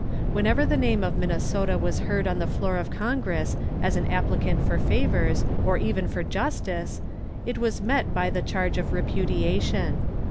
Whenever the name of Minnesota was heard on the floor of congress as an applicant for favors, or even for justice, it was met by the charge of repudiation.